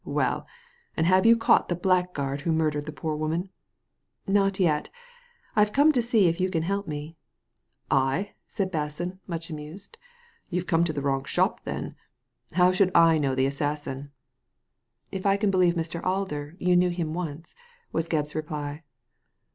Well, and have you caught the blackguard who murdered the poor woman ?" "Not yet I've come to see if you can help me." " I ?" said Basson, much amused. " You've come Digitized by Google MISS WEDDERBURN 165 to the wrong shop, then. How should I know the assassin ?"•* If I can believe Mr. Alder, you knew him once,'* was Gebb's reply.